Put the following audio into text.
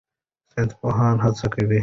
ساینسپوهان هڅه کوي.